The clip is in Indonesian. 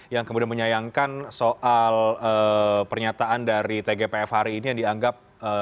yang kemudian menyayangkan soal pernyataan dari tgpf hari ini yang dianggap